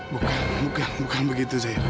bukan bukan bukan begitu zahira